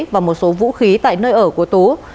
và một số vũ khí tại nơi ở của tú